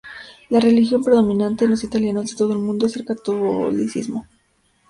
La religión predominante en los italianos de todo el mundo es el catolicismo.